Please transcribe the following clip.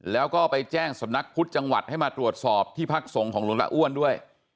แล้วก็ไปแจ้งสำนักพุทธจังหวัดให้มาตรวจสอบที่พักสงฆ์ของหลวงละอ้วนด้วย